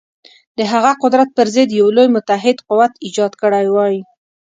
د هغه قدرت پر ضد یو لوی متحد قوت ایجاد کړی وای.